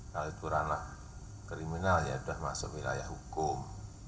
kalau itu ranah kriminal ya sudah masuk wilayah hukum